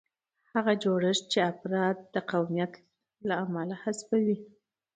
هغه جوړښت چې افراد د قومیت له امله حذفوي.